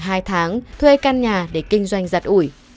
khoảng hai tháng thuê căn nhà để kinh doanh giặt ủi